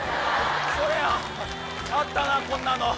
それあったなこんなの。